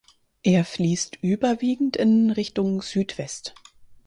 Er fließt überwiegend in Richtung Südwest.